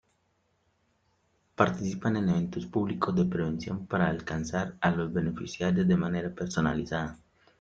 Participan en eventos públicos de prevención para alcanzar a los beneficiarios de manera personalizada.